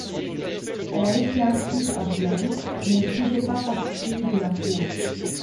Elle a été active à Vienne, mais ne faisait pas partie de la cour.